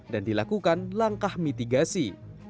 dan dilakukan langkah mitigasi